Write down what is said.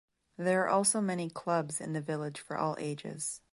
There are also many clubs in the village for all ages.